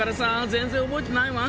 全然覚えてないわ。